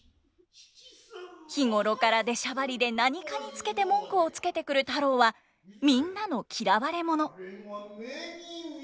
日頃から出しゃばりで何かにつけて文句をつけてくる太郎はみんなの嫌われ者。